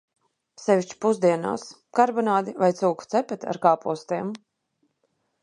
Sevišķi pusdienās, karbonādi vai cūku cepeti ar kāpostiem.